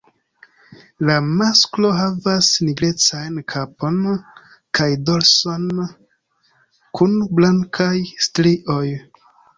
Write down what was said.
La masklo havas nigrecajn kapon kaj dorson kun blankaj strioj.